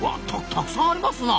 たくさんありますな。